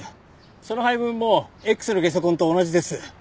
その配分もＸのゲソ痕と同じです。